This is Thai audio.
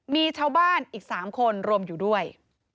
มีชาวบ้านอีก๓คนรวมอยู่ด้วย